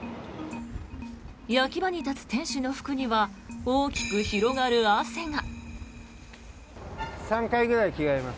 焼き場に立つ店主の服には大きく広がる汗が。